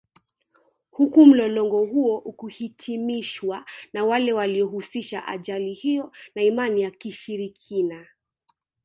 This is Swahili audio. Huku mlolongo huo ukihitimishwa na wale waliohusisha ajali hiyo na Imani za Kishirikina